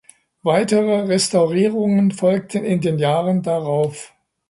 Weitere Restaurierungen folgten in den Jahren darauf.